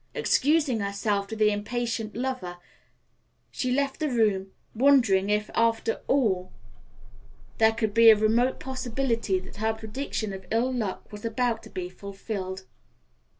Excusing herself to the impatient lover, she left the room, wondering if, after all, there could be a remote possibility that her prediction of ill luck was about to be fulfilled.